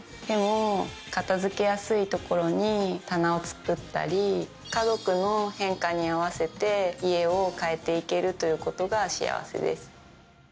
でも片付けやすい所に棚を作ったり家族の変化に合わせて家を変えて行けるということが幸せです。